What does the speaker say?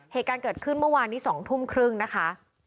เหตุการณ์เกิดขึ้นเมื่อวานนี้๒ทุ่มครึ่งนะคะ